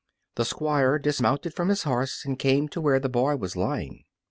The Squire dismounted from his horse and came to where the boy was lying.